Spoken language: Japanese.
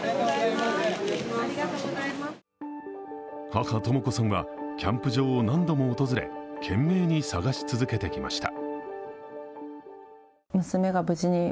母、とも子さんはキャンプ場を何度も訪れ懸命に捜し続けてきました。